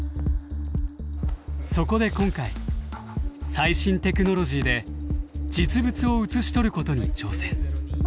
そこで今回最新テクノロジーで実物を写し取ることに挑戦。